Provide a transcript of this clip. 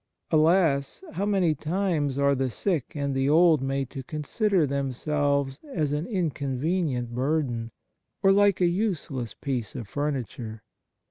Alas ! how many times are the sick and the old made to consider themselves as an inconvenient burden, or like a useless pi ece of furniture